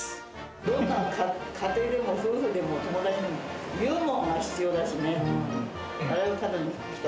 どんな家庭でも夫婦でも友達でも、ユーモアが必要だしね。